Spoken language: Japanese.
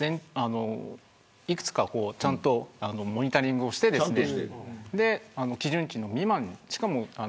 いくつか、ちゃんとモニタリングをして基準値未満にしている。